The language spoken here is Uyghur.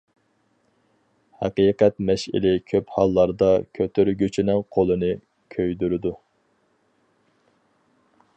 ھەقىقەت مەشئىلى كۆپ ھاللاردا كۆتۈرگۈچىنىڭ قولىنى كۆيدۈرىدۇ!